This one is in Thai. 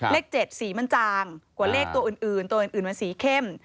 เลข๗สีมันจางกว่าเลขตัวอื่นตัวอื่นมันสีเข้ม